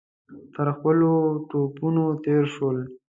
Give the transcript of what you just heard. تر خپلو توپونو تېر شول.